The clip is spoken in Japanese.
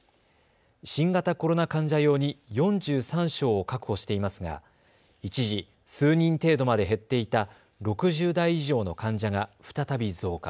新型コロナ患者用に４３床を確保していますが一時、数人程度まで減っていた６０代以上の患者が再び増加。